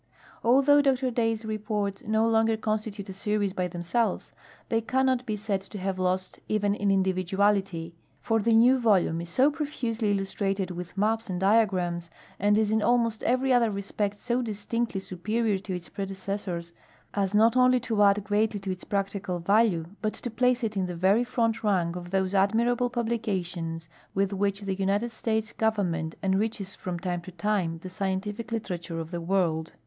Although Dr Day's reports no longer constitute a series by themselves, they cannot be said to have lost even in imlividuality, for the new volume is so profusely illustrated with maps and diagrams and is in almost every other respect so distinctly superior to its predecessors as not only to add greatly to its practical value, but to place it in the verj^ front rank of those admirable publications with which the Uniteil States government enriches from time to time the scien tific literature of the world.